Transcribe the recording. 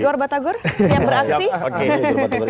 igor batagor yang beraksi